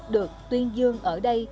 được tuyên dương ở đây